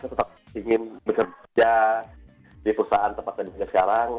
saya tetap ingin bekerja di perusahaan tempat yang sekarang